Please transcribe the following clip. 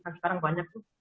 kan sekarang banyak tuh